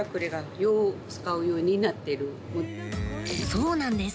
そうなんです。